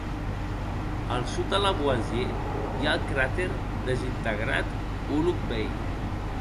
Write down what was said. Al sud de Lavoisier hi ha el cràter desintegrat Ulugh Beigh.